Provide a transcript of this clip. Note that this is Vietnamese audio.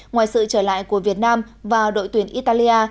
ngoài sự trở lại của việt nam và đội tuyển italia